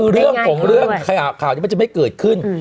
คือเรื่องของเรื่องข่าวนี้มันจะไม่เกิดขึ้น